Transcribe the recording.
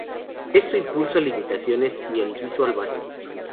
Esto impuso limitaciones y en Visual Basic.